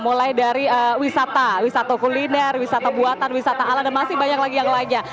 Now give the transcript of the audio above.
mulai dari wisata wisata kuliner wisata buatan wisata alam dan masih banyak lagi yang lainnya